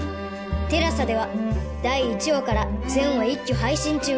ＴＥＬＡＳＡ では第１話から全話一挙配信中